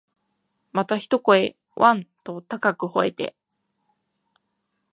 また一声、わん、と高く吠えて、